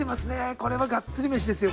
これはガッツリ飯ですよ